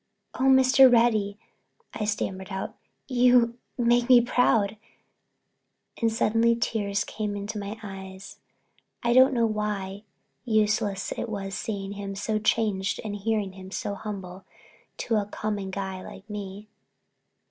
"Oh, Mr. Reddy," I stammered out, "you make me proud," and suddenly tears came into my eyes. I don't know why unless it was seeing him so changed and hearing him speak so humble to a common guy like me.